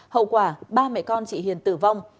hậu quả ba mẹ con chị hiền tử vong